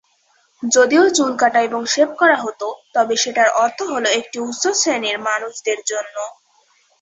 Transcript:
যদিও চুল কাটা এবং শেভ করা হত, তবে সেটার অর্থ হ'ল একটি উচ্চ শ্রেণীর মানুষ দের জন্য।